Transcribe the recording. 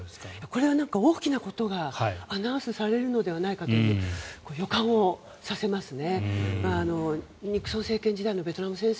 これは大きなことがアナウンスされるのではないかという予感をさせますね。